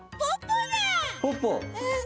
うん。